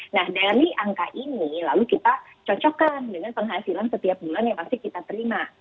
nah dari angka ini lalu kita cocokkan dengan penghasilan setiap bulan yang pasti kita terima